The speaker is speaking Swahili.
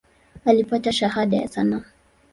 Alipata Shahada ya sanaa.